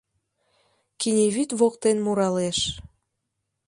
Киневӱд воктен муралеш.